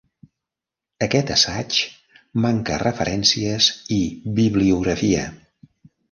Aquest assaig manca referències i bibliografia.